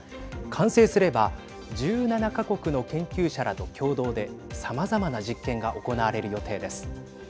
完成すれば１７か国の研究者らと共同で、さまざまな実験が行われる予定です。